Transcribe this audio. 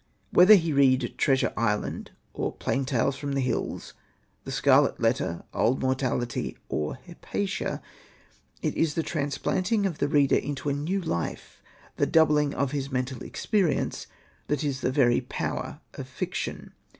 Whether he read " Treasure Island '' or ''Plain Tales from the Hills/' ''The Scarlet Letter/' "Old Mortality," or " Hypatia," it is the transplanting of the reader into a new life, the doubling of his mental experience, that is the very power of fiction.